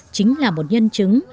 chính là một nhân chứng